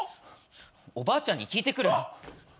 おばあちゃんに聞いてくる。